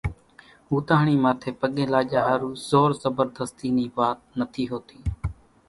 ھوتاۿڻي ماٿي پڳين لاڄا ۿارُو زور زڀردتي نِي وات نٿي ھوتي